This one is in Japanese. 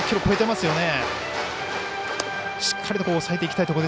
しっかりと抑えていきたいところ。